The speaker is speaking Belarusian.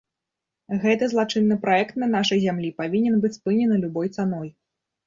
Гэты злачынны праект на нашай зямлі павінен быць спынены любой цаной!